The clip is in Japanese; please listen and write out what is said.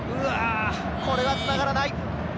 これはつながらない。